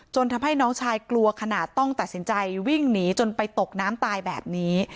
ทำให้น้องชายกลัวขนาดต้องตัดสินใจวิ่งหนีจนไปตกน้ำตายแบบนี้